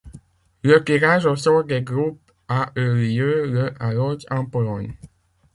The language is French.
Le tirage au sort des groupes a eu lieu le à Lodz en Pologne.